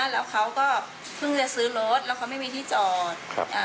แล้วเขาก็เพิ่งจะซื้อรถแล้วเขาไม่มีที่จอด